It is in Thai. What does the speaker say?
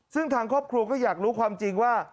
ซึ่งทางครอบครัวก็อยากรู้ความจริงว่า